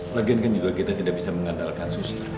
lagian kan kita juga tidak bisa mengandalkan suster